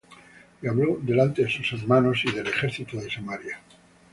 Y habló delante de sus hermanos y del ejército de Samaria